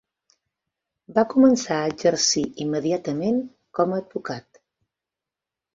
Va començar a exercir immediatament com a advocat.